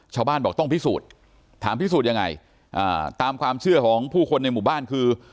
ชาวบ้านบอกต้องพิสูจน์ถามพิสูจน์ยังไงอ่าตามความเชื่อของผู้คนในหมู่บ้านคือ